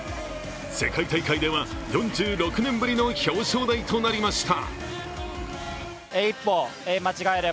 世界大会では、４６年ぶりの表彰台となりました。